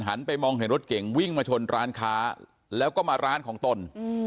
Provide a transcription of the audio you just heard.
ไปมองเห็นรถเก่งวิ่งมาชนร้านค้าแล้วก็มาร้านของตน